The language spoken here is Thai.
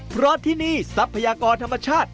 เพราะที่นี่ทรัพยากรธรรมชาติ